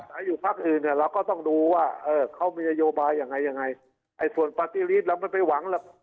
ถ้าอยู่พักอื่นเนี่ยเราก็ต้องดูว่าเออเขามียโยบายอย่างไรอย่างไรไอ้ส่วนปฏิริตเราไม่ไปหวังล่ะ